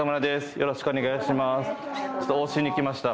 よろしくお願いします。